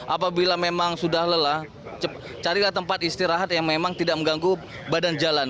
apabila memang sudah lelah carilah tempat istirahat yang memang tidak mengganggu badan jalan